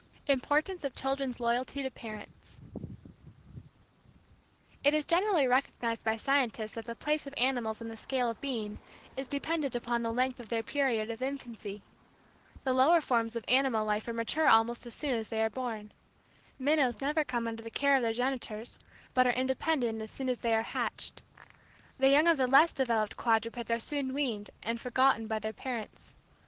IMPORTANCE OF CHILDREN'S LOYALTY TO PARENTS It is generally recognized by scientists that the place of animals in the scale of being is dependent upon the length of their period of infancy. The lower forms of animal life are mature almost as soon as they are born. Minnows never come under the care of their genitors, but are independent as soon as they are hatched. The young of the less developed quadrupeds are soon weaned and forgotten by their parents.